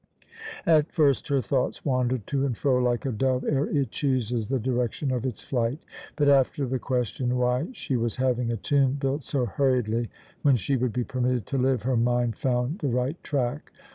At first her thoughts wandered to and fro like a dove ere it chooses the direction of its flight; but after the question why she was having a tomb built so hurriedly, when she would be permitted to live, her mind found the right track.